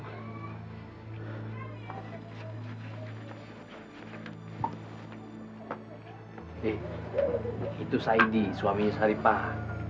hei itu saidy suaminya saripah